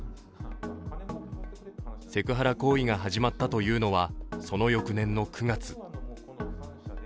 セクハラ行為が始まったというのはその翌年の９月